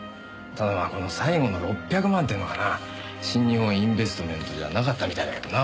ただこの最後の６００万ってのがな新日本インベストメントじゃなかったみたいだけどな。